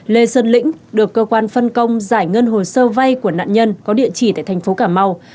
lê sơn lĩnh được cơ quan phân công giải ngân hồ sơ vay của nạn nhân có địa chỉ tại thành phố cà mau